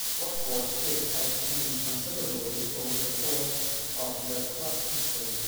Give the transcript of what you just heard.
Watford's kit has changed considerably over the course of the club's history.